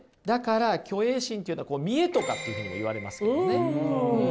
だから虚栄心っていうのは見栄とかというふうにも言われますけどね。